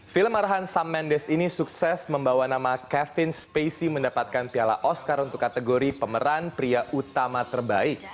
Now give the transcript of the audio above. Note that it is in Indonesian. film arahan sum mendes ini sukses membawa nama kevin spacey mendapatkan piala oscar untuk kategori pemeran pria utama terbaik